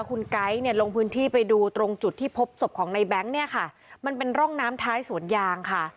คุณไก๊เนี่ยลงพื้นที่ไปดูตรงจุดที่พบศพของในแบงค์เนี่ยค่ะมันเป็นร่องน้ำท้ายสวนยางค่ะ